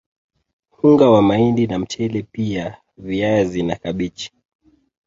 Unga wa mahindi na mchele pia viazi na kabichi